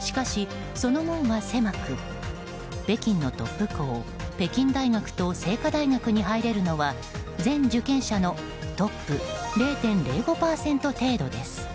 しかし、その門は狭く北京のトップ校、北京大学と精華大学に入れるのは全受験者のトップ０．０５％程度です。